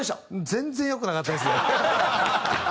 全然良くなかったですね。